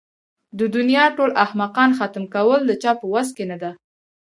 د دنيا ټول احمقان ختم کول د چا په وس کې نه ده.